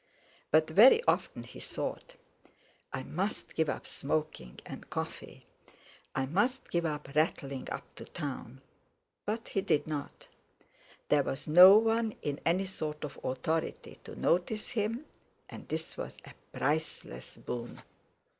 But very often he thought: "I must give up smoking, and coffee; I must give up rattling up to town." But he did not; there was no one in any sort of authority to notice him, and this was a priceless boon.